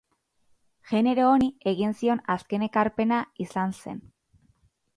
Genero honi egin zion azken ekarpena izan zen.